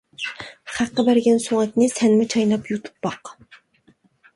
خەققە بەرگەن سۆڭەكنى سەنمۇ چايناپ يۇتۇپ باق.